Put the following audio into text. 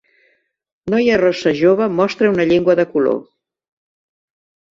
Noia rossa jove mostra una llengua de color